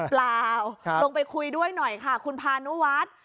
เปล่าลงไปคุยด้วยหน่อยค่ะคุณพานุวัฒน์